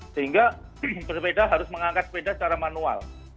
sehingga bersepeda harus mengangkat sepeda secara manual